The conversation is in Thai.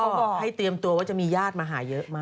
บอกให้เตรียมตัวว่าจะมีญาติมาหาเยอะมาก